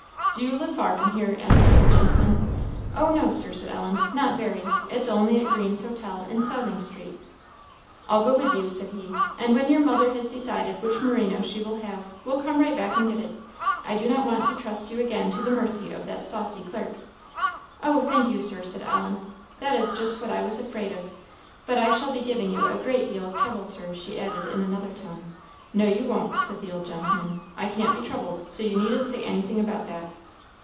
"Do you live far from here?" asked the old gentleman. "Oh, no, Sir," said Ellen, "not very; it's only at Green's Hotel, in Southing street." "I'll go with you," said he; "and when your mother has decided which merino she will have, we'll come right back and get it. I do not want to trust you again to the mercy of that saucy clerk." "Oh, thank you, Sir!" said Ellen, "that is just what I was afraid of. But I shall be giving you a great deal of trouble, Sir," she added, in another tone. "No, you won't," said the old gentleman; "I can't be troubled, so you needn't say anything about that."